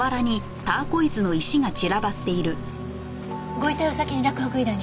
ご遺体を先に洛北医大に。